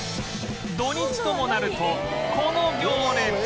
土日ともなるとこの行列